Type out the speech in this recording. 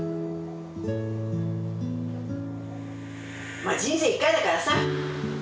まあ人生一回だからさ！